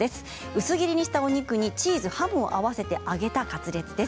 薄切りにしたお肉にチーズ、ハムを合わせて揚げたカツレツです。